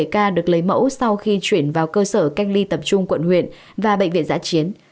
hai trăm ba mươi bảy ca được lấy mẫu sau khi chuyển vào cơ sở cách ly tập trung quận huyện và bệnh viện giã chiến